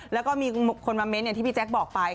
แล้วก็มีคนมาเมนต์อย่างที่พี่แจ๊คบอกไป